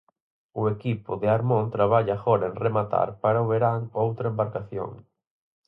O equipo de Armón traballa agora en rematar para o verán outra embarcación.